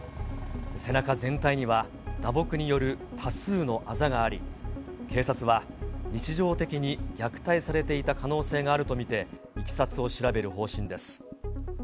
背中全体には打撲による多数のあざがあり、警察は日常的に虐待されていた可能性があると見て、いきさつを調べる方針です。